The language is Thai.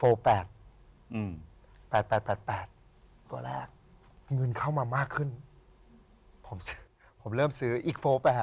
อืม๘๘๘๘ตัวแรกเงินเข้ามามากขึ้นผมซื้อผมเริ่มซื้ออีก๔๘